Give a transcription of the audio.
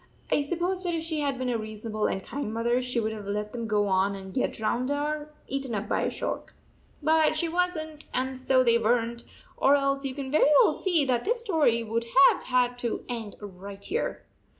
I suppose that if she had been a reason able and kind mother she would have let them go on and get drowned or eaten up by a shark. But she was n t, and so they were n t, or else you can very well see that this story would have had to end right here.